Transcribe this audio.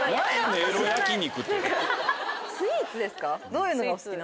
スイーツですか？